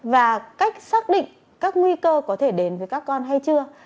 và cách xác định các nguy cơ có thể đến với các con hay chưa